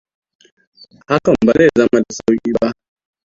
Hakan ba zai zama da sauƙi ba.